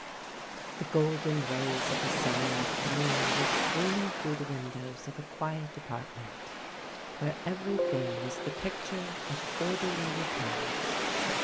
The golden rays of a summer afternoon were streaming through the windows of a quiet apartment, where every thing was the picture of orderly repose.